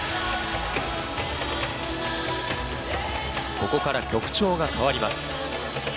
ここから曲調が変わります。